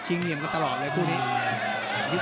ชิงเงียบกันตลอดเลยคู่นี้